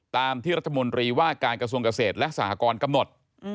ตามที่รัฐมนตรีว่าการกระทรวงเกษตรและสหกรกำหนด